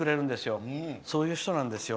あの人、そういう人なんですよ。